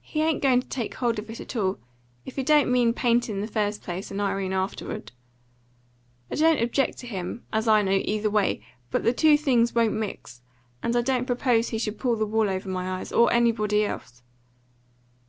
"He ain't going to take hold of it at all, if he don't mean paint in the first place and Irene afterward. I don't object to him, as I know, either way, but the two things won't mix; and I don't propose he shall pull the wool over my eyes or anybody else.